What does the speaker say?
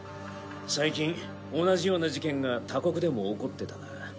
最近同じような事件が他国でも起こってたな。